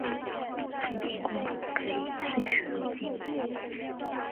安平公主可以岁时入京。